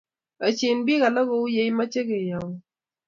Yaachin pik alak kou ye imache keyaun.